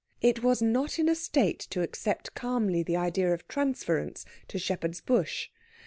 It was not in a state to accept calmly the idea of transference to Shepherd's Bush.